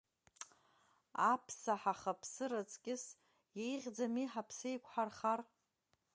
Аԥса ҳахаԥсыр аҵкьыс, иеиӷьӡами ҳаԥсы еиқуҳархар?